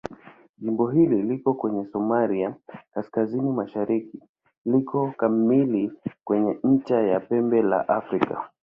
Jimbo hili liko kwenye Somalia kaskazini-mashariki liko kamili kwenye ncha ya Pembe la Afrika.